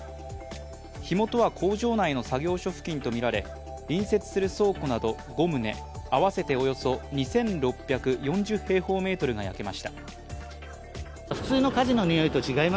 火元は工場内の作業所付近とみられ隣接する倉庫など５棟合わせておよそ２６４０平方メートルが焼けました。